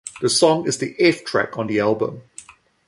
The song is the eighth track on the album.